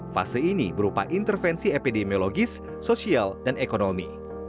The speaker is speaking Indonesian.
fase ini berupa intervensi epidemiologis sosial dan ekonomi